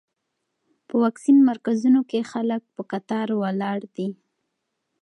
په واکسین مرکزونو کې خلک په کتار ولاړ دي.